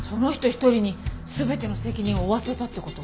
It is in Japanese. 一人に全ての責任を負わせたって事？